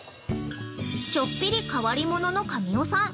◆ちょっぴり変わり者の神尾さん。